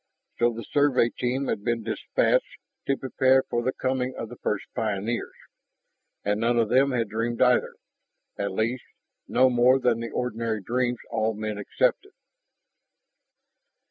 So the Survey team had been dispatched to prepare for the coming of the first pioneers, and none of them had dreamed either at least, no more than the ordinary dreams all men accepted.